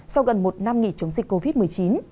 sau gần một năm nghỉ chống dịch covid một mươi chín